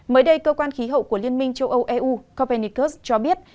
mới đây cơ quan khí hậu của liên minh châu âu eu copennicus cho biết